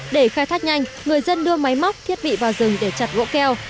để khai thác nhanh người dân đưa máy móc thiết bị vào rừng để chặt gỗ keo